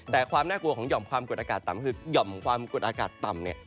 แต่ความน่ากลัวของหย่อมความกรดอากาศต่ำคือ